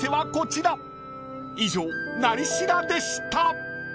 ［以上「なり調」でした］